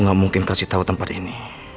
gue gak mungkin kasih tau tempat ini